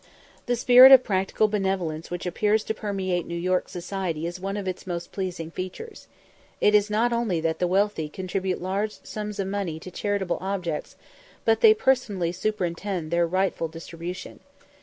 The spirit of practical benevolence which appears to permeate New York society is one of its most pleasing features. It is not only that the wealthy contribute large sums of money to charitable objects, but they personally superintend their right distribution.